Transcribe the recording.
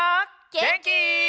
げんき？